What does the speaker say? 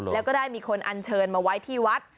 แล้วก็ได้มีคนอันเชิญมาไว้ที่วัด